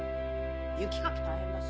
雪かき大変だし。